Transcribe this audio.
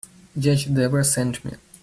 Judge Debra sent me.